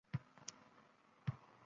Bu latta emas, ayajonimni koʻylagi.